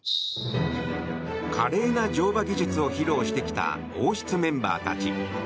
華麗な乗馬技術を披露してきた王室メンバーたち。